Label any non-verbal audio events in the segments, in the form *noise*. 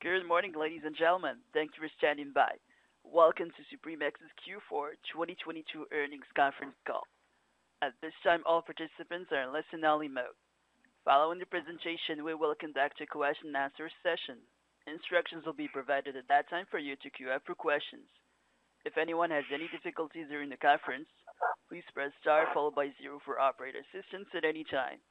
Good morning, ladies and gentlemen. Thank you for standing by. Welcome to Supremex's Q4 2022 earnings conference call. At this time, all participants are in listen only mode. Following the presentation, we welcome back to question and answer session. Instructions will be provided at that time for you to queue up for questions. If anyone has any difficulties during the conference, please press star followed by zero for operator assistance at any time.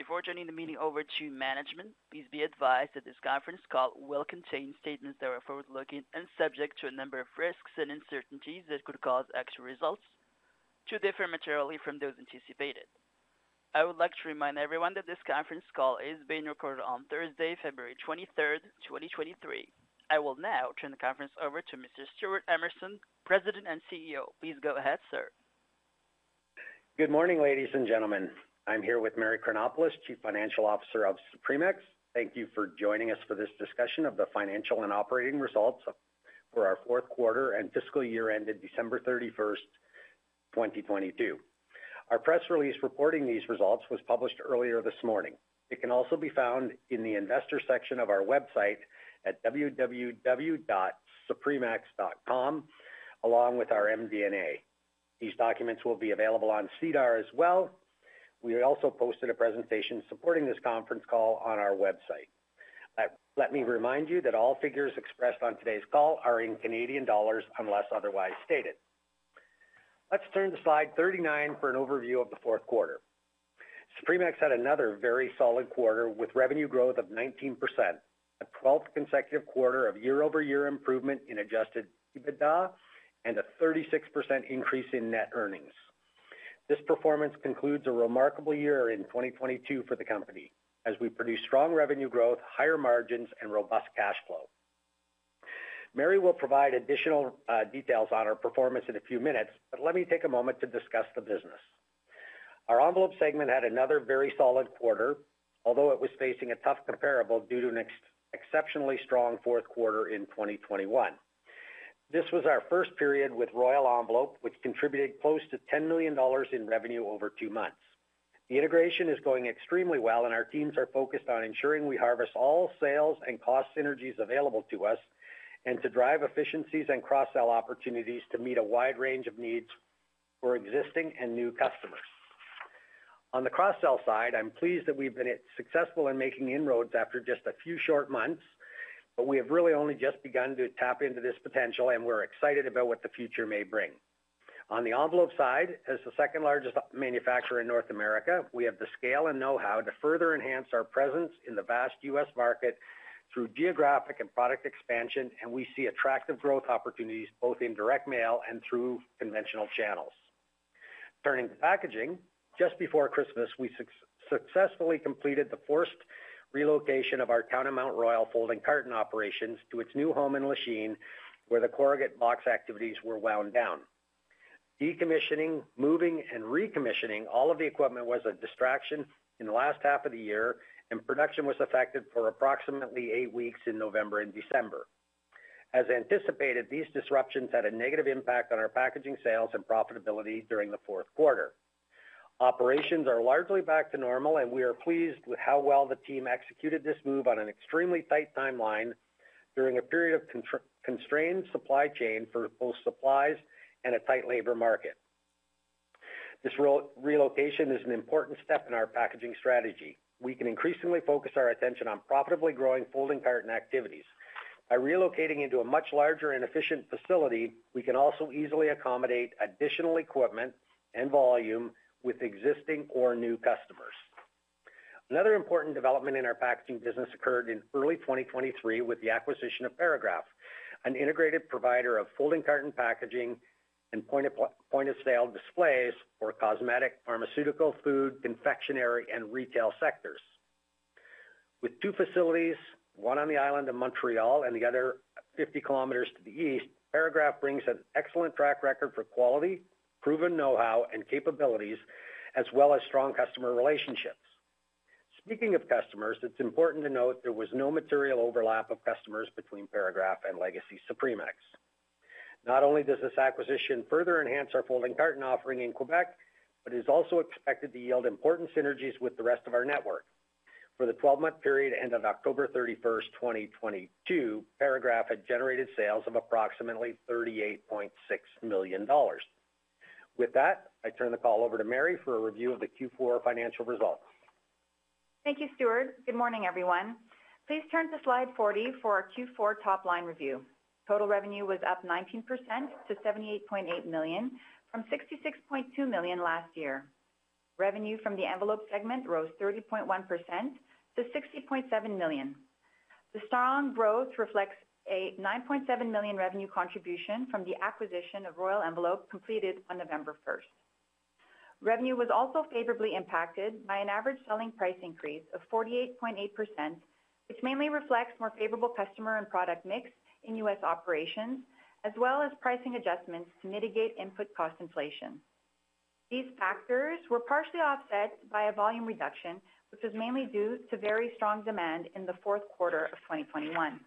Before turning the meeting over to management, please be advised that this conference call will contain statements that are forward-looking and subject to a number of risks and uncertainties that could cause actual results to differ materially from those anticipated. I would like to remind everyone that this conference call is being recorded on Thursday, February 23rd, 2023. I will now turn the conference over to Mr. Stewart Emerson, President and CEO. Please go ahead, sir. Good morning, ladies and gentlemen. I'm here with Mary Chronopoulos, Chief Financial Officer of Supremex. Thank you for joining us for this discussion of the financial and operating results for our fourth quarter and fiscal year ended December 31, 2022. Our press release reporting these results was published earlier this morning. It can also be found in the investor section of our website at www.supremex.com along with our MD&A. These documents will be available on SEDAR as well. We also posted a presentation supporting this conference call on our website. Let me remind you that all figures expressed on today's call are in Canadian dollars unless otherwise stated. Let's turn to slide 39 for an overview of the fourth quarter. Supremex had another very solid quarter with revenue growth of 19%, a 12th consecutive quarter of year-over-year improvement in Adjusted EBITDA, and a 36% increase in net earnings. This performance concludes a remarkable year in 2022 for the company as we produce strong revenue growth, higher margins and robust cash flow. Mary will provide additional details on our performance in a few minutes, but let me take a moment to discuss the business. Our envelope segment had another very solid quarter, although it was facing a tough comparable due to an exceptionally strong fourth quarter in 2021. This was our first period with Royal Envelope, which contributed close to 10 million dollars in revenue over two months. The integration is going extremely well, and our teams are focused on ensuring we harvest all sales and cost synergies available to us and to drive efficiencies and cross-sell opportunities to meet a wide range of needs for existing and new customers. On the cross-sell side, I'm pleased that we've been successful in making inroads after just a few short months, but we have really only just begun to tap into this potential and we're excited about what the future may bring. On the envelope side, as the second largest manufacturer in North America, we have the scale and know-how to further enhance our presence in the vast U.S. market through geographic and product expansion, and we see attractive growth opportunities both in direct mail and through conventional channels. Turning to packaging. Just before Christmas, we successfully completed the forced relocation of our Town of Mount Royal folding carton operations to its new home in Lachine, where the corrugated box activities were wound down. Decommissioning, moving, and recommissioning all of the equipment was a distraction in the last half of the year, and production was affected for approximately eight weeks in November and December. As anticipated, these disruptions had a negative impact on our packaging sales and profitability during the fourth quarter. Operations are largely back to normal, and we are pleased with how well the team executed this move on an extremely tight timeline during a period of constrained supply chain for both supplies and a tight labor market. This relocation is an important step in our packaging strategy. We can increasingly focus our attention on profitably growing folding carton activities. By relocating into a much larger and efficient facility, we can also easily accommodate additional equipment and volume with existing or new customers. Another important development in our packaging business occurred in early 2023 with the acquisition of Paragraph, an integrated provider of folding carton packaging and point of sale displays for cosmetic, pharmaceutical, food, confectionery, and retail sectors. With two facilities, one on the island of Montreal and the other 50 km to the east, Paragraph brings an excellent track record for quality, proven know-how and capabilities, as well as strong customer relationships. Speaking of customers, it's important to note there was no material overlap of customers between Paragraph and Legacy Supremex. Not only does this acquisition further enhance our folding carton offering in Quebec, but is also expected to yield important synergies with the rest of our network. For the twelve-month period end of October 31st, 2022, Paragraph had generated sales of approximately 38.6 million dollars. With that, I turn the call over to Mary for a review of the Q4 financial results. Thank you, Stewart. Good morning, everyone. Please turn to slide 40 for our Q4 top line review. Total revenue was up 19% to 78.8 million from 66.2 million last year. Revenue from the envelope segment rose 30.1% to 60.7 million. The strong growth reflects a 9.7 million revenue contribution from the acquisition of Royal Envelope completed on November 1st. Revenue was also favorably impacted by an average selling price increase of 48.8%, which mainly reflects more favorable customer and product mix in US operations, as well as pricing adjustments to mitigate input cost inflation. These factors were partially offset by a volume reduction, which is mainly due to very strong demand in the fourth quarter of 2021.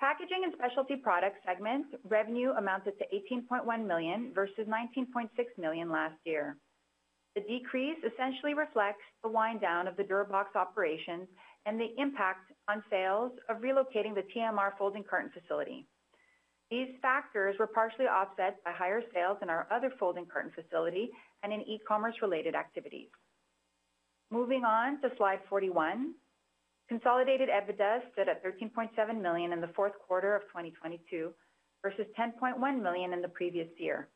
Packaging and specialty product segments revenue amounted to 18.1 million versus 19.6 million last year. The decrease essentially reflects the wind down of the DuraBox operations and the impact on sales of relocating the TMR folding carton facility. These factors were partially offset by higher sales in our other folding carton facility and in E-commerce related activities. Moving on to slide 41. Consolidated EBITDA stood at 13.7 million in Q4 2022 versus 10.1 million in the previous year.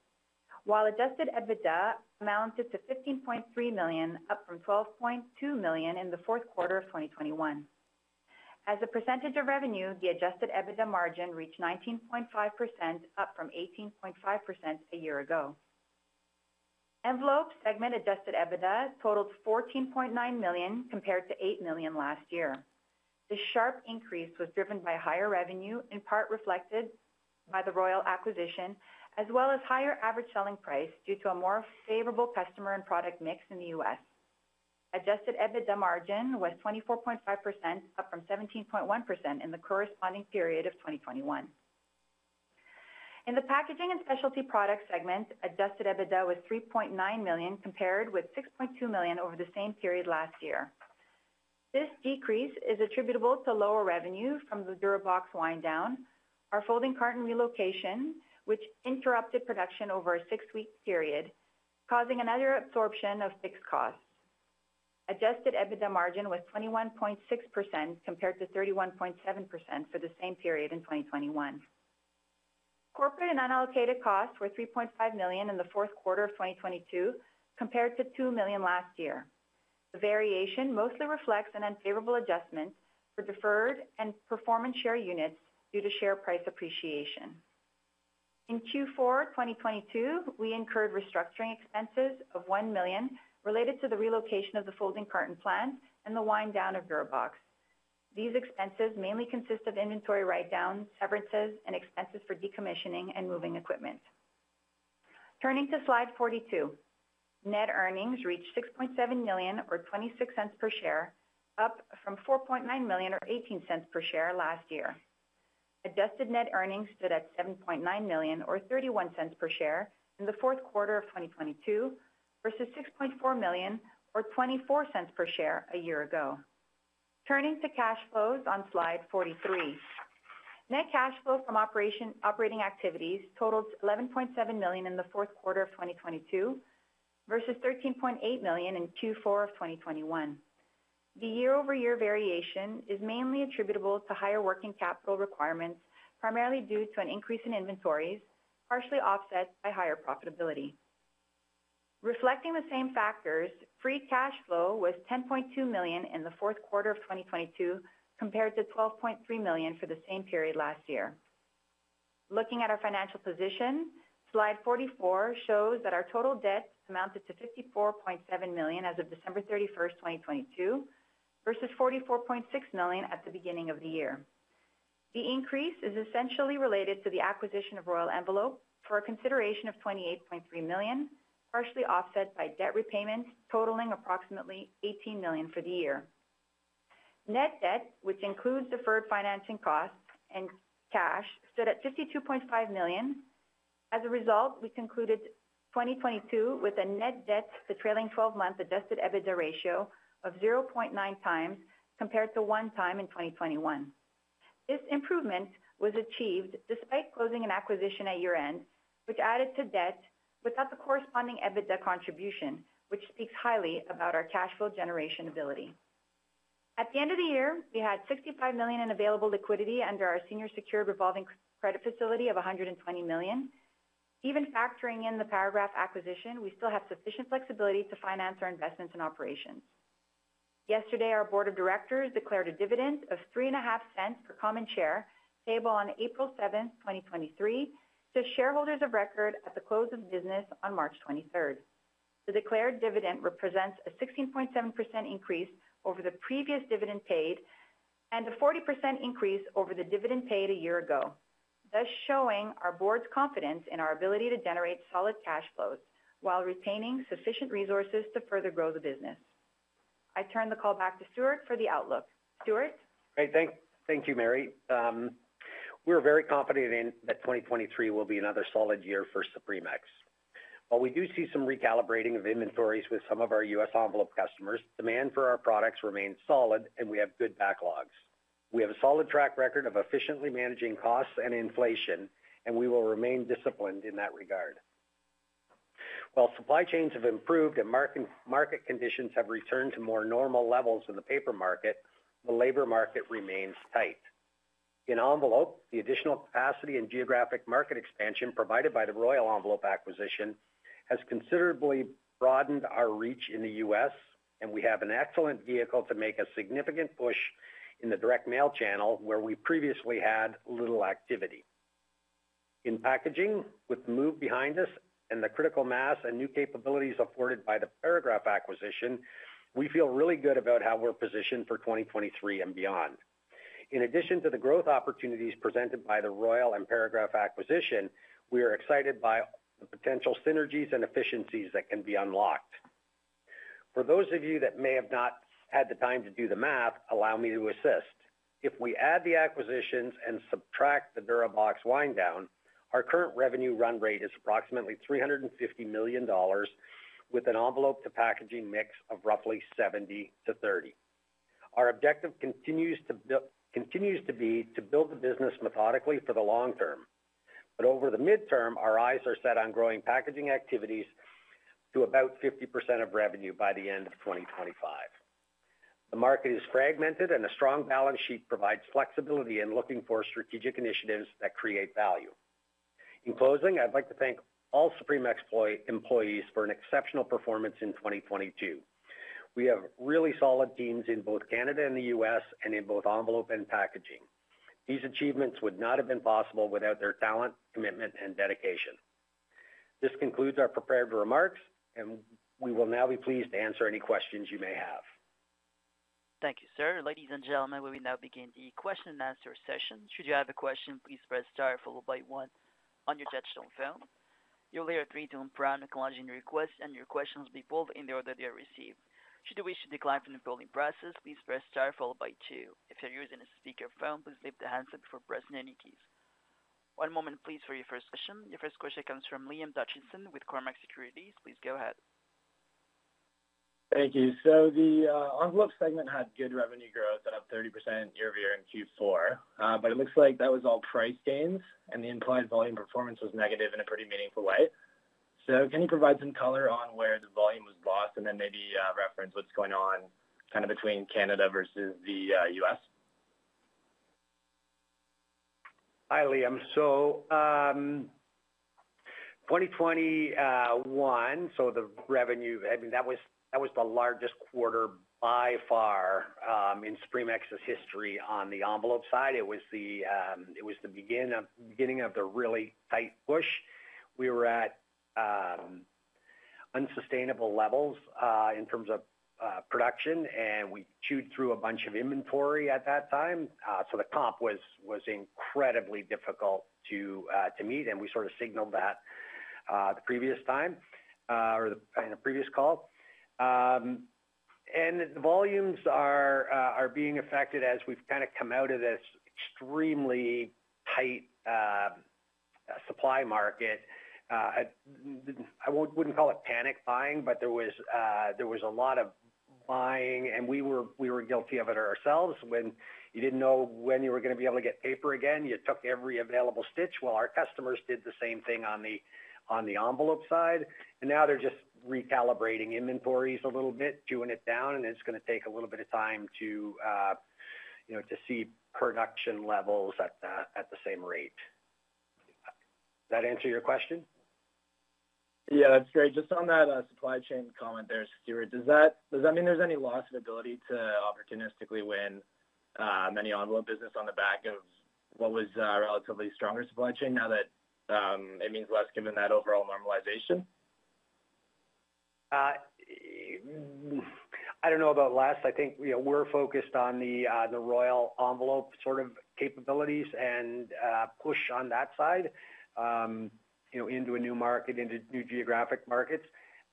While Adjusted EBITDA amounted to 15.3 million, up from 12.2 million in Q4 2021. As a percentage of revenue, the Adjusted EBITDA margin reached 19.5%, up from 18.5% a year ago. Envelope segment Adjusted EBITDA totaled 14.9 million compared to 8 million last year. The sharp increase was driven by higher revenue, in part reflected by the Royal acquisition, as well as higher average selling price due to a more favorable customer and product mix in the U.S. Adjusted EBITDA margin was 24.5%, up from 17.1% in the corresponding period of 2021. In the packaging and specialty product segment, Adjusted EBITDA was 3.9 million, compared with 6.2 million over the same period last year. This decrease is attributable to lower revenue from the DuraBox wind down, our folding carton relocation, which interrupted production over a six week period, causing another absorption of fixed costs. Adjusted EBITDA margin was 21.6% compared to 31.7% for the same period in 2021. Corporate and unallocated costs were 3.5 million in the fourth quarter of 2022 compared to 2 million last year. The variation mostly reflects an unfavorable adjustment for deferred and performance share units due to share price appreciation. In Q4 2022, we incurred restructuring expenses of 1 million related to the relocation of the folding carton plant and the wind down of DuraBox. These expenses mainly consist of inventory write-downs, severances, and expenses for decommissioning and moving equipment. Turning to slide 42. Net earnings reached 6.7 million or 0.26 per share, up from 4.9 million or 0.18 per share last year. Adjusted net earnings stood at 7.9 million or 0.31 per share in the fourth quarter of 2022 versus 6.4 million or 0.24 per share a year ago. Turning to cash flows on slide 43. Net cash flow from operating activities totaled 11.7 million in the fourth quarter of 2022 versus 13.8 million in Q4 of 2021. The year-over-year variation is mainly attributable to higher working capital requirements, primarily due to an increase in inventories, partially offset by higher profitability. Reflecting the same factors, free cash flow was 10.2 million in the fourth quarter of 2022 compared to 12.3 million for the same period last year. Looking at our financial position, slide 44 shows that our total debt amounted to 54.7 million as of December 31, 2022 versus 44.6 million at the beginning of the year. The increase is essentially related to the acquisition of Royal Envelope for a consideration of 28.3 million, partially offset by debt repayments totaling approximately 18 million for the year. Net debt, which includes deferred financing costs and cash, stood at 52.5 million. We concluded 2022 with a net debt to trailing twelve month Adjusted EBITDA ratio of 0.9x compared to 1x in 2021. This improvement was achieved despite closing an acquisition at year-end, which added to debt without the corresponding EBITDA contribution, which speaks highly about our cash flow generation ability. At the end of the year, we had 65 million in available liquidity under our senior secured revolving credit facility of 120 million. Even factoring in the Paragraph acquisition, we still have sufficient flexibility to finance our investments and operations. Yesterday, our board of directors declared a dividend of three and a half cents per common share, payable on April 7th, 2023 to shareholders of record at the close of business on March 23rd. The declared dividend represents a 16.7% increase over the previous dividend paid and a 40% increase over the dividend paid a year ago, thus showing our board's confidence in our ability to generate solid cash flows while retaining sufficient resources to further grow the business. I turn the call back to Stewart for the outlook. Stewart? Great. Thank you, Mary. We're very confident in that 2023 will be another solid year for Supremex. While we do see some recalibrating of inventories with some of our U.S. envelope customers, demand for our products remains solid, and we have good backlogs. We have a solid track record of efficiently managing costs and inflation, and we will remain disciplined in that regard. While supply chains have improved and market conditions have returned to more normal levels in the paper market, the labor market remains tight. In envelope, the additional capacity and geographic market expansion provided by the Royal Envelope acquisition has considerably broadened our reach in the U.S., and we have an excellent vehicle to make a significant push in the direct mail channel where we previously had little activity. In packaging, with the move behind us and the critical mass and new capabilities afforded by the Paragraph acquisition, we feel really good about how we're positioned for 2023 and beyond. In addition to the growth opportunities presented by the Royal and Paragraph acquisition, we are excited by the potential synergies and efficiencies that can be unlocked. For those of you that may have not had the time to do the math, allow me to assist. If we add the acquisitions and subtract the DuraBox wind down, our current revenue run rate is approximately 350 million dollars with an envelope to packaging mix of roughly 70 to 30. Our objective continues to be to build the business methodically for the long term. Over the midterm, our eyes are set on growing packaging activities to about 50% of revenue by the end of 2025. The market is fragmented and a strong balance sheet provides flexibility in looking for strategic initiatives that create value. In closing, I'd like to thank all Supremex employees for an exceptional performance in 2022. We have really solid teams in both Canada and the U.S., and in both envelope and packaging. These achievements would not have been possible without their talent, commitment, and dedication. This concludes our prepared remarks, and we will now be pleased to answer any questions you may have. Thank you, sir. Ladies and gentlemen, we will now begin the question and answer session. Should you have a question, please press star followed by one on your touchtone phone. You'll hear a three-tone prompt acknowledging your request, and your question will be pulled in the order they are received. Should you wish to decline from the polling process, please press star followed by two. If you're using a speaker phone, please lift the handset before pressing any keys. One moment please for your first question. Your first question comes from Liam Dotchison with Cormark Securities. Please go ahead. Thank you. The envelope segment had good revenue growth, up 30% year-over-year in Q4. It looks like that was all price gains, and the implied volume performance was negative in a pretty meaningful way. Can you provide some color on where the volume was lost, and then maybe reference what's going on kind of between Canada versus the US? Hi, Liam. 2021, the revenue, I mean, that was the largest quarter by far in Supremex history on the envelope side. It was the beginning of the really tight push. We were at unsustainable levels in terms of production, and we chewed through a bunch of inventory at that time. The comp was incredibly difficult to meet, and we sort of signaled that the previous time or in a previous call. The volumes are being affected as we've kinda come out of this extremely tight supply market. I wouldn't call it panic buying, but there was a lot of buying, and we were guilty of it ourselves. When you didn't know when you were gonna be able to get paper again, you took every available stitch while our customers did the same thing on the, on the envelope side. Now they're just recalibrating inventories a little bit, chewing it down, it's gonna take a little bit of time to, you know, to see production levels at the same rate. Does that answer your question? Yeah. That's great. Just on that, supply chain comment there, Stewart, does that, does that mean there's any loss of ability to opportunistically win, many envelope business on the back of what was a relatively stronger supply chain now that, it means less given that overall normalization? I don't know about less. I think, you know, we're focused on the Royal Envelope sort of capabilities and push on that side, you know, into a new market, into new geographic markets.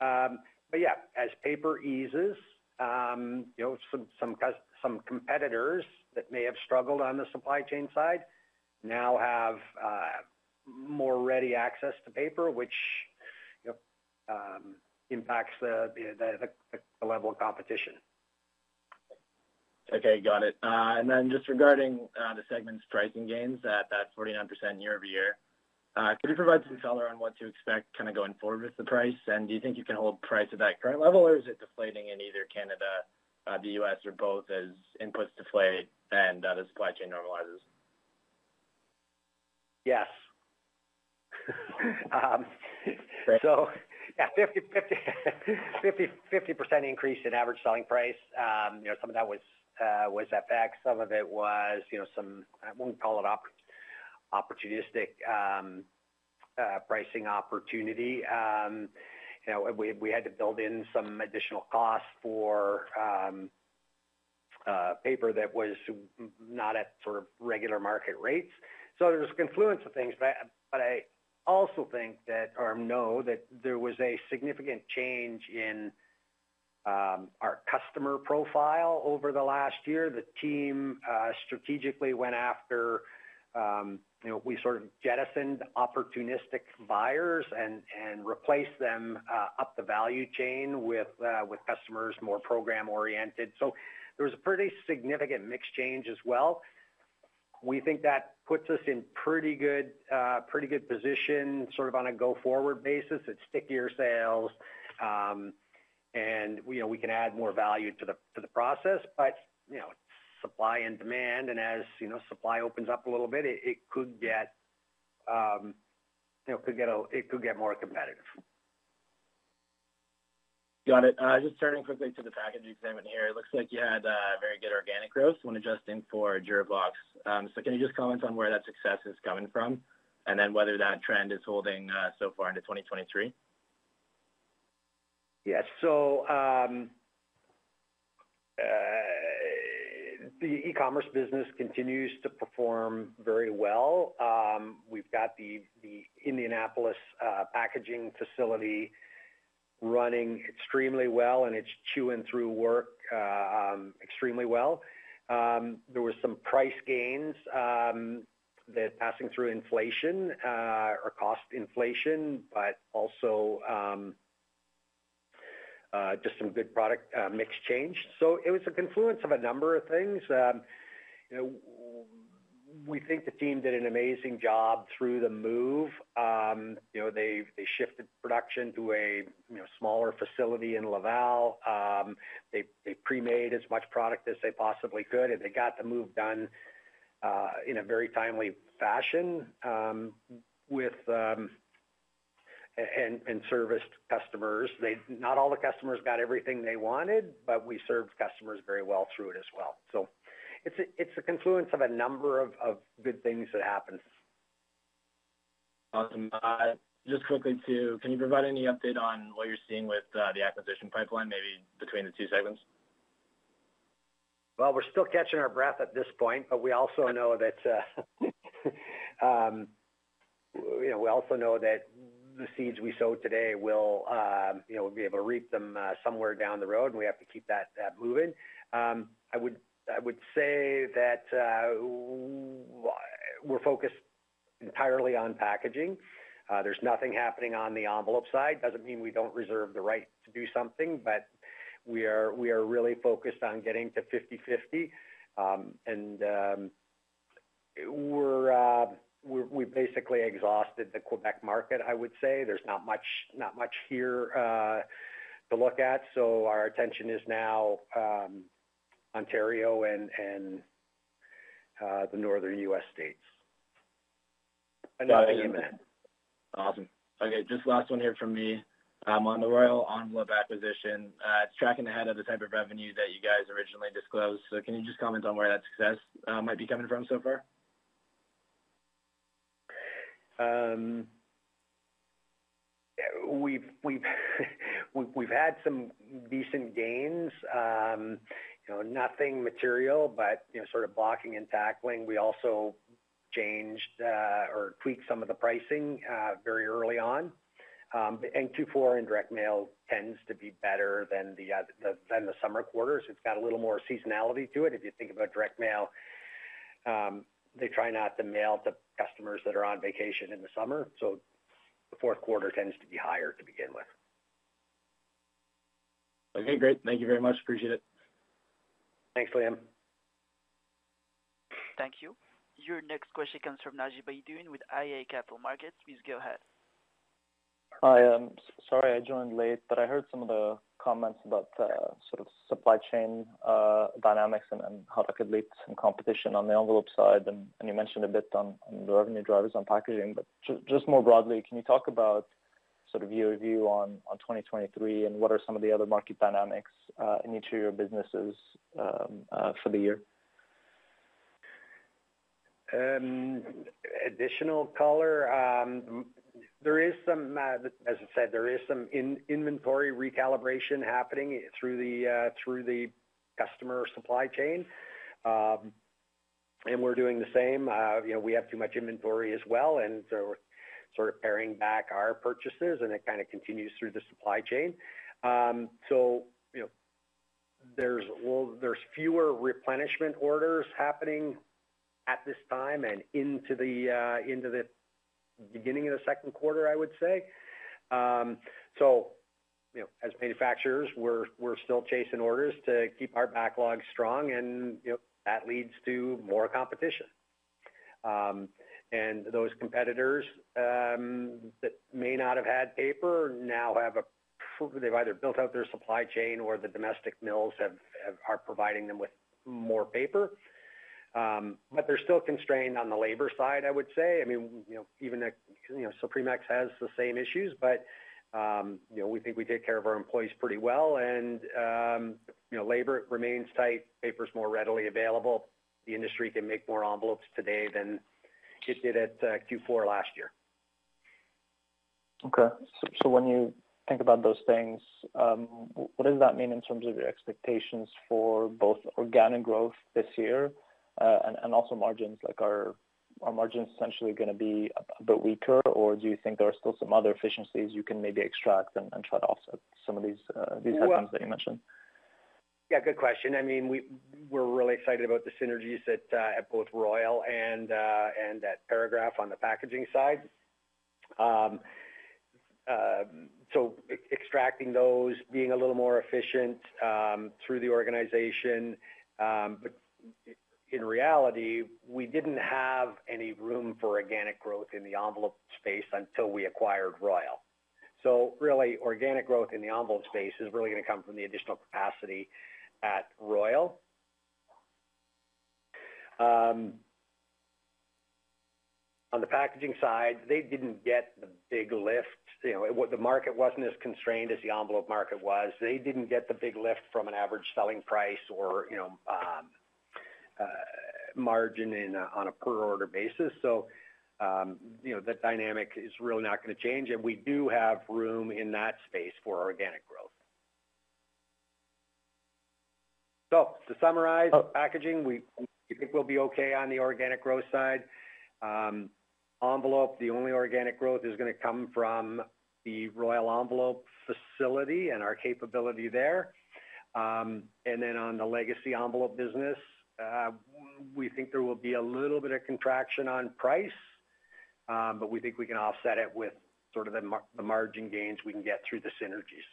Yeah, as paper eases, you know, some competitors that may have struggled on the supply chain side now have more ready access to paper, which, you know, impacts the level of competition. Okay. Got it. Then just regarding the segment's pricing gains at that 49% year-over-year, could you provide some color on what to expect kinda going forward with the price? Do you think you can hold price at that current level, or is it deflating in either Canada, the U.S. or both as inputs deflate and the supply chain normalizes? Yes. Great. Yeah, 50% increase in average selling price. You know, some of that was FX, some of it was, you know, some I wouldn't call it opportunistic pricing opportunity. You know, we had to build in some additional costs for paper that was not at sort of regular market rates. There's a confluence of things, but I also think that or know that there was a significant change in our customer profile over the last year. The team strategically went after, you know, we sort of jettisoned opportunistic buyers and replaced them up the value chain with customers more program-oriented. There was a pretty significant mix change as well. We think that puts us in pretty good, pretty good position, sort of on a go-forward basis. It's stickier sales, and we, you know, we can add more value to the, to the process. You know, supply and demand, and as, you know, supply opens up a little bit, it could get, you know, it could get more competitive. Got it. Just turning quickly to the packaging segment here. It looks like you had very good organic growth when adjusting for DuraBox. Can you just comment on where that success is coming from? Whether that trend is holding, so far into 2023? Yes. The E-commerce business continues to perform very well. We've got the Indianapolis packaging facility running extremely well, and it's chewing through work extremely well. There were some price gains that passing through inflation or cost inflation, but also just some good product mix change. It was a confluence of a number of things. You know, we think the team did an amazing job through the move. You know, they shifted production to a, you know, smaller facility in Laval. They, they pre-made as much product as they possibly could, and they got the move done in a very timely fashion with and serviced customers. Not all the customers got everything they wanted, but we served customers very well through it as well. It's a confluence of a number of good things that happened. Awesome. Just quickly too, can you provide any update on what you're seeing with the acquisition pipeline, maybe between the two segments? We're still catching our breath at this point, but we also know that, you know, we also know that the seeds we sow today will, you know, we'll be able to reap them somewhere down the road, and we have to keep that moving. I would, I would say that we're focused entirely on packaging. There's nothing happening on the envelope side. Doesn't mean we don't reserve the right to do something, but we are, we are really focused on getting to 50/50. We're we basically exhausted the Quebec market, I would say. There's not much here to look at. Our attention is now Ontario and the northern U.S. states. Got it. *crosstalk* Awesome. Okay, just last one here from me. On the Royal Envelope acquisition, it's tracking ahead of the type of revenue that you guys originally disclosed. Can you just comment on where that success might be coming from so far? We've had some decent gains. You know, nothing material but, you know, sort of blocking and tackling. We also changed or tweaked some of the pricing very early on. Q4 in direct mail tends to be better than the summer quarters. It's got a little more seasonality to it. If you think about direct mail, they try not to mail to customers that are on vacation in the summer, so the fourth quarter tends to be higher to begin with. Okay, great. Thank you very much. Appreciate it. Thanks, Liam. Thank you. Your next question comes from Naji Baydoun with iA Capital Markets. Please go ahead. Hi. Sorry I joined late, but I heard some of the comments about sort of supply chain dynamics and how that could lead to some competition on the envelope side. You mentioned a bit on the revenue drivers on packaging. Just more broadly, can you talk about sort of your view on 2023 and what are some of the other market dynamics in each of your businesses for the year? Additional color, there is some, as I said, there is some in-inventory recalibration happening through the customer supply chain. We're doing the same. You know, we have too much inventory as well, we're sort of paring back our purchases, it kinda continues through the supply chain. You know, there's fewer replenishment orders happening at this time and into the beginning of the second quarter, I would say. You know, as manufacturers, we're still chasing orders to keep our backlog strong and, you know, that leads to more competition. Those competitors that may not have had paper now They've either built out their supply chain or the domestic mills are providing them with more paper. They're still constrained on the labor side, I would say. I mean, you know, even at, you know, Supremex has the same issues, but, you know, we think we take care of our employees pretty well. You know, labor remains tight. Paper is more readily available. The industry can make more envelopes today than it did at Q4 last year. When you think about those things, what does that mean in terms of your expectations for both organic growth this year, and also margins? Like, are margins essentially gonna be a bit weaker, or do you think there are still some other efficiencies you can maybe extract and try to offset some of these items that you mentioned? Yeah, good question. I mean, We're really excited about the synergies at both Royal and at Paragraph on the packaging side. Extracting those, being a little more efficient through the organization. In reality, we didn't have any room for organic growth in the envelope space until we acquired Royal. Really, organic growth in the envelope space is really gonna come from the additional capacity at Royal. On the packaging side, they didn't get the big lift. You know, the market wasn't as constrained as the envelope market was. They didn't get the big lift from an average selling price or, you know, margin on a per order basis. You know, the dynamic is really not gonna change, and we do have room in that space for organic growth. To summarize packaging, we think we'll be okay on the organic growth side. Envelope, the only organic growth is gonna come from the Royal Envelope facility and our capability there. On the legacy envelope business, we think there will be a little bit of contraction on price, but we think we can offset it with sort of the margin gains we can get through the synergies.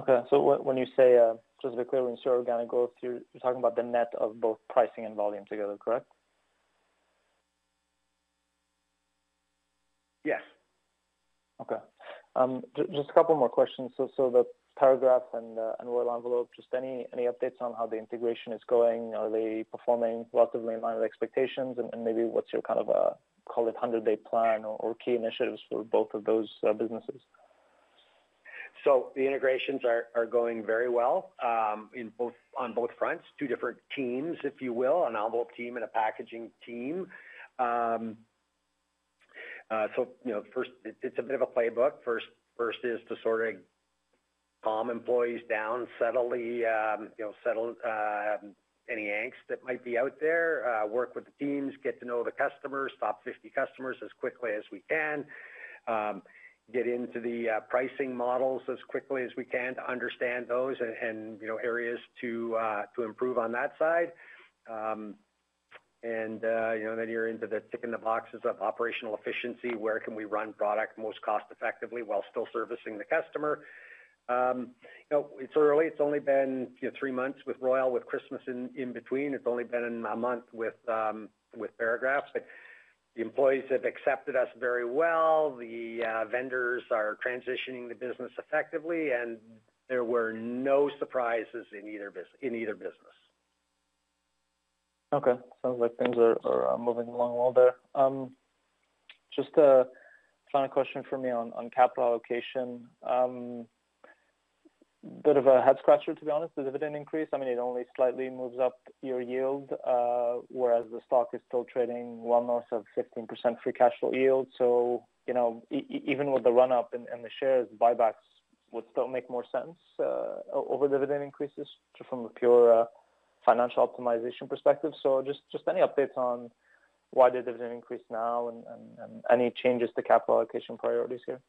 Okay. When you say, just to be clear, when you say organic growth, you're talking about the net of both pricing and volume together, correct? Yes. Okay. Just a couple more questions. The Paragraph and Royal Envelope, just any updates on how the integration is going? Are they performing relatively in line with expectations? Maybe what's your kind of, call it 100-day plan or key initiatives for both of those businesses? The integrations are going very well on both fronts. Two different teams, if you will, an envelope team and a packaging team. You know, first it's a bit of a playbook. First is to sort of calm employees down, settle the, you know, settle any angst that might be out there, work with the teams, get to know the customers, top 50 customers as quickly as we can, get into the pricing models as quickly as we can to understand those and, you know, areas to improve on that side. You know, then you're into the ticking the boxes of operational efficiency. Where can we run product most cost effectively while still servicing the customer? You know, it's early. It's only been, you know, three months with Royal, with Christmas in between. It's only been a month with Paragraph. The employees have accepted us very well. The vendors are transitioning the business effectively, there were no surprises in either business. Okay. Sounds like things are moving along well there. Just a final question from me on capital allocation. Bit of a head scratcher, to be honest, the dividend increase. I mean, it only slightly moves up your yield, whereas the stock is still trading well north of 15% free cash flow yield. You know, even with the run up in the shares, buybacks would still make more sense over dividend increases just from a pure financial optimization perspective. Just any updates on why the dividend increase now and any changes to capital allocation priorities here?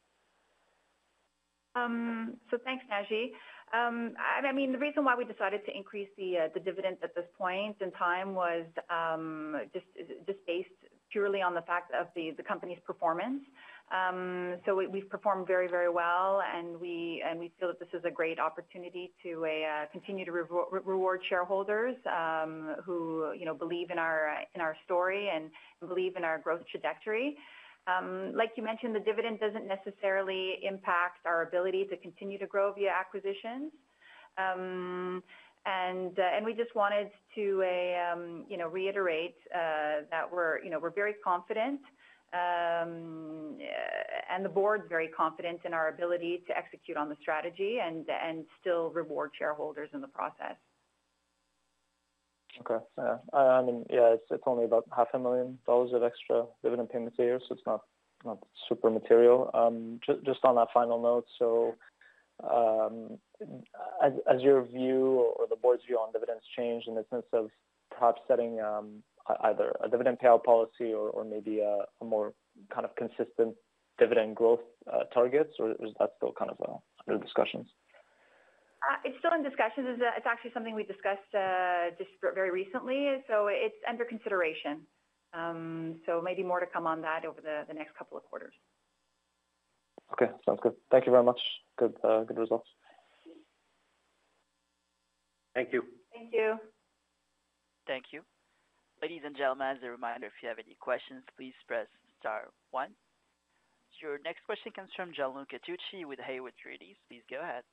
Thanks, Naji. I mean, the reason why we decided to increase the dividend at this point in time was just based purely on the fact of the company's performance. We've performed very, very well, and we, and we feel that this is a great opportunity to continue to reward shareholders, who, you know, believe in our story and believe in our growth trajectory. Like you mentioned, the dividend doesn't necessarily impact our ability to continue to grow via acquisitions. We just wanted to, you know, reiterate that we're, you know, we're very confident, and the board's very confident in our ability to execute on the strategy and still reward shareholders in the process. Okay. Yeah. I mean, yeah, it's only about half a million dollars of extra dividend payments a year, so it's not super material. Just on that final note, so, has your view or the board's view on dividends changed in the sense of perhaps setting, either a dividend payout policy or maybe a more kind of consistent dividend growth, targets, or is that still kind of, under discussions? It's still in discussions. It's actually something we discussed just very recently. It's under consideration. Maybe more to come on that over the next couple of quarters. Okay. Sounds good. Thank You very much. Good, good results. Thank you. Thank you. Thank you. Ladies and gentlemen, as a reminder, if you have any questions, please press star one. Your next question comes from Gianluca Tucci with Haywood Securities. Please go ahead.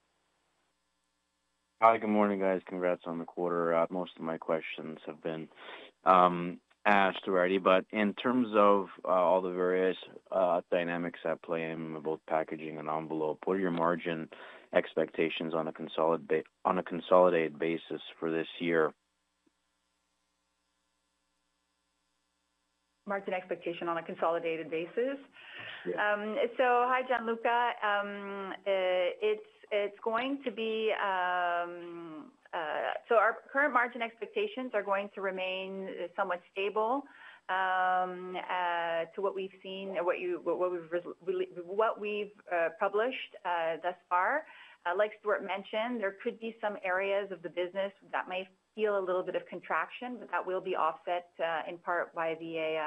Hi, good morning, guys. Congrats on the quarter. Most of my questions have been asked already, but in terms of all the various dynamics at play in both packaging and envelope, what are your margin expectations on a consolidated basis for this year? Margin expectation on a consolidated basis? Yes. Hi, Gianluca. Our current margin expectations are going to remain somewhat stable to what we've seen or what we've really published thus far. Like Stewart mentioned, there could be some areas of the business that might feel a little bit of contraction, but that will be offset in part by the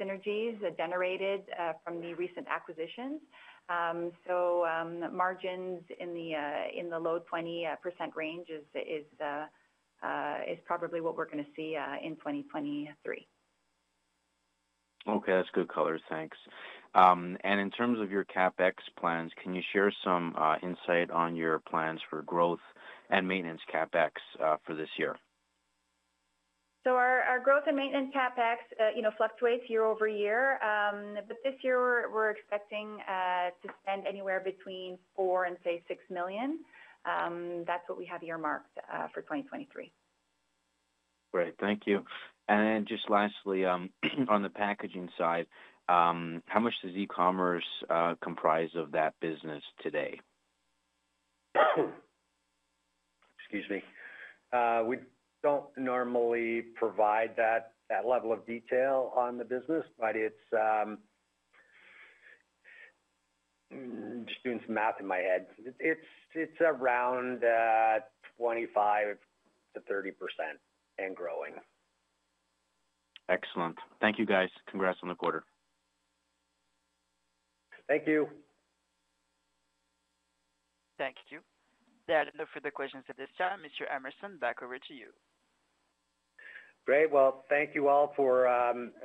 synergies generated from the recent acquisitions. Margins in the low 20% range is probably what we're gonna see in 2023. Okay. That's good color. Thanks. In terms of your CapEx plans, can you share some insight on your plans for growth and maintenance CapEx for this year? Our growth and maintenance CapEx, you know, fluctuates year over year. This year we're expecting to spend anywhere between 4 million and, say, 6 million. That's what we have earmarked for 2023. Great. Thank you. Just lastly, on the packaging side, how much does E-commerce comprise of that business today? Excuse me. We don't normally provide that level of detail on the business, but it's. Just doing some math in my head. It's around 25%-30% and growing. Excellent. Thank you, guys. Congrats on the quarter. Thank you. Thank you. There are no further questions at this time. Mr. Emerson, back over to you. Great. Well, thank you all for,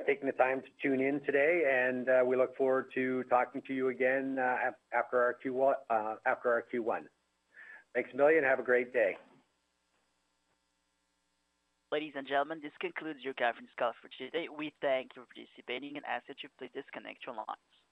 taking the time to tune in today, and we look forward to talking to you again after our Q1. Thanks a million. Have a great day. Ladies and gentlemen, this concludes your conference call for today. We thank you for participating and ask that you please disconnect your lines.